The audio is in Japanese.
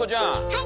はい！